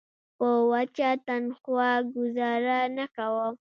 په وچه تنخوا ګوزاره نه کوم.